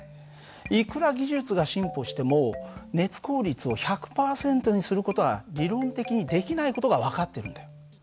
いくら技術が進歩しても熱効率を１００％にする事は理論的にできない事が分かってるんだよ。